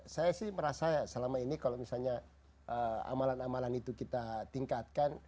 saya sih merasa selama ini kalau misalnya amalan amalan itu kita tingkatkan